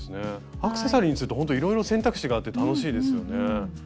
アクセサリーにするとほんといろいろ選択肢があって楽しいですよね。